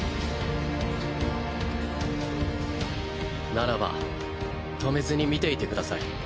ならば止めずに見ていてください。